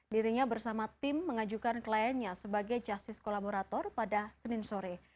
dirinya bersama tim mengajukan kliennya sebagai justice kolaborator pada senin sore